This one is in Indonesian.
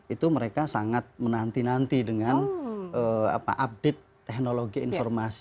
itu mereka sangat menanti nanti dengan update teknologi informasi